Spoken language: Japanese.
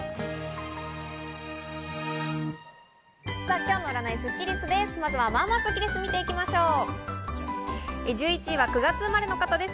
今日の占いスッキりすです。